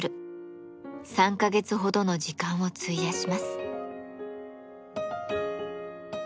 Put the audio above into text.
３か月ほどの時間を費やします。